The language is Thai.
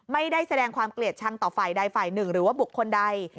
ไม่ได้แสดงความเกลียดชังต่อฝ่ายใดฝ่ายหนึ่งหรือว่าบุคคลใด